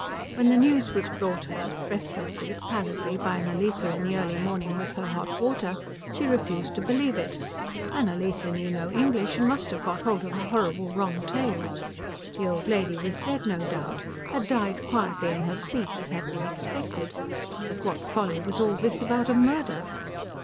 When the news was brought her, breathlessly, pallidly, by Annalise in the early morning with her hot water, she refused to believe it. Annalise knew no English and must have got hold of a horrible wrong tale. The old lady was dead no doubt, had died quietly in her sleep as had been expected, but what folly was all this about a murder?